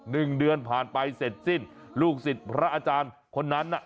หนึ่งเดือนผ่านไปเสร็จสิ้นลูกศิษย์พระอาจารย์คนนั้นน่ะ